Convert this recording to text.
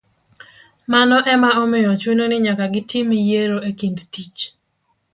Mano ema omiyo chuno ni nyaka gitim yiero e kind tich